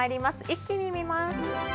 一気に見ます。